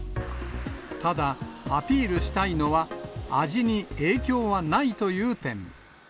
ただ、アピールしたいのは、味に影響はないという点。